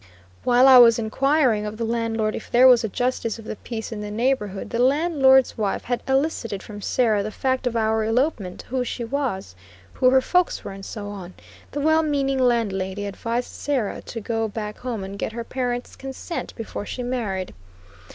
While I was inquiring of the landlord if there was a justice of the peace in the neighborhood, the landlord's wife had elicited from Sarah the fact of our elopement, who she was, who her folks were, and so on. The well meaning landlady advised Sarah to go back home and get her parents consent before she married.